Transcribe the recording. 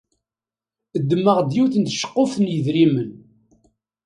Ddmeɣ-d yiwet n tceqquft n yedrimen.